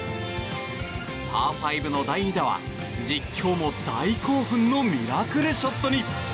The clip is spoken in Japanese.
パー５の第２打は実況も大興奮のミラクルショットに。